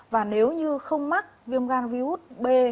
và nếu như không mắc viêm gan virus b